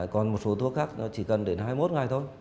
còn một số thuốc khác chỉ cần đến hai mươi một ngày thôi